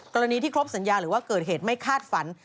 กรณีที่ครบสัญญาหรือว่าเกิดเหตุไม่คาดฝัน